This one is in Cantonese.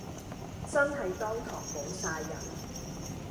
真係當堂無哂癮